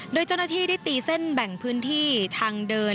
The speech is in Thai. โดยเจ้าหน้าที่ได้ตีเส้นแบ่งพื้นที่ทางเดิน